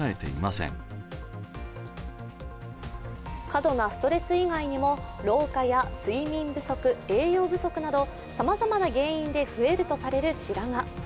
過度なストレス以外にも老化や睡眠不足、栄養不足などさまざまな原因で増えるとされる白髪。